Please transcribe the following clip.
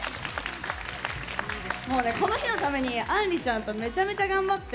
この日のためにあんりちゃんとめちゃめちゃ頑張って。